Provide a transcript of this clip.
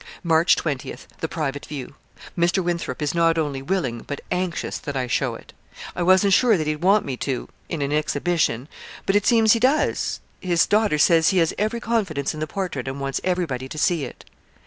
"March twentieth the private view. Mr. Winthrop is not only willing, but anxious, that I show it. I wasn't sure that he'd want me to in an exhibition. But it seems he does. His daughter says he has every confidence in the portrait and wants everybody to see it."